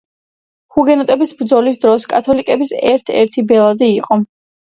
ჰუგენოტების ბრძოლის დროს კათოლიკების ერთ-ერთი ბელადი იყო.